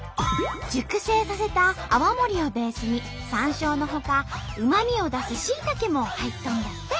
熟成させた泡盛をベースにさんしょうのほかうまみを出すしいたけも入っとんじゃって！